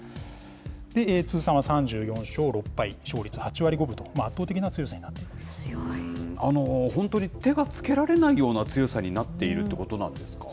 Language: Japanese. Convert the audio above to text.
通算は３４勝６敗、勝率８割５分と、本当に手がつけられないような強さになっているということなんですか？